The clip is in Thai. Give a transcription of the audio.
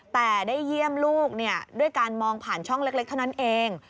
แต่ได้เยี่ยมลูกด้วยการมองผ่านช่องเล็กเท่านั้นเอง